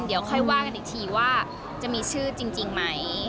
เดี๋ยวค่อยว่ากันอีกทีว่าจะมีชื่อจริงไหม